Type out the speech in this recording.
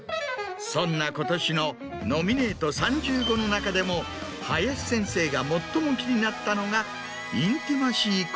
そんな今年のノミネート３０語の中でも林先生が最も気になったのが。